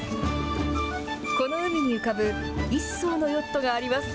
この海に浮かぶ一隻のヨットがあります。